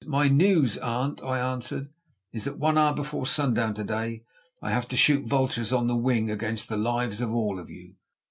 "My news, aunt," I answered, "is that one hour before sundown to day I have to shoot vultures on the wing against the lives of all of you.